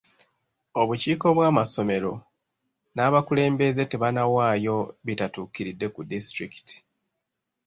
Obukiiko bw'amasomero n'abakulembeze tebannawaayo bitatuukiridde ku disitulikiti.